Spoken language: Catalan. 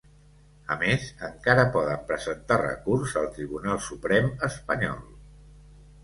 A més, encara poden presentar recurs al Tribunal Suprem espanyol.